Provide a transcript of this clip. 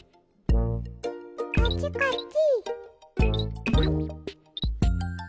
こっちこっち！